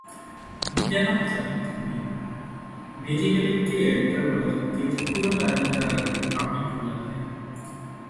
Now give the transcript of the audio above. இங்ஙணம், தனித்தனி நெறிகளுக்கேற்றவாறு திருக்குறள் அதிகாரங்கள் அமைந்துள்ளன.